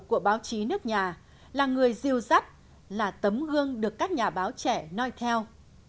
đầu tàu của báo chí nước nhà là người diêu dắt là tấm gương được các nhà báo trẻ noi theo